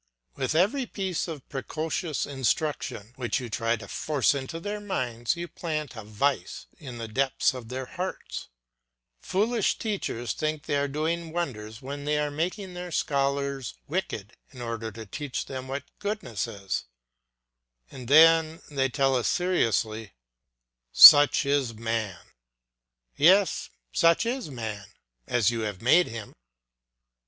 With every piece of precocious instruction which you try to force into their minds you plant a vice in the depths of their hearts; foolish teachers think they are doing wonders when they are making their scholars wicked in order to teach them what goodness is, and then they tell us seriously, "Such is man." Yes, such is man, as you have made him.